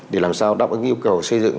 để làm sao đáp ứng yêu cầu xây dựng